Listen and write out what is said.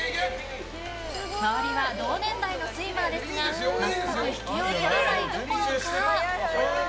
周りは同年代のスイマーですが全く引けを取らないどころか。